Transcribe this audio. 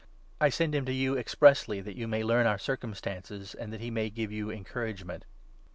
I send him to you expressly that you may learn our circumstances, and that he may give you encouragement.